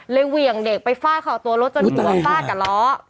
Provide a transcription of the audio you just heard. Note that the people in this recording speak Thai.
เหวี่ยงเด็กไปฟาดเขาตัวรถจนหัวฟาดกับล้อ